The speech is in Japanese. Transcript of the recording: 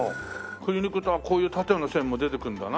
くりぬくとこういう縦の線も出てくるんだな。